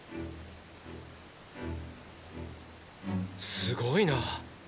すごいな！